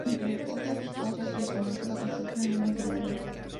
Entre otras cosas, se comenzó la construcción de una enfermería.